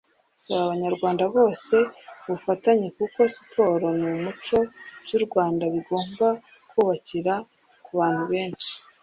asaba Abanyarwanda bose ubufatanye kuko siporo n’umuco by’u Rwanda bigomba kubakira ku bantu benshi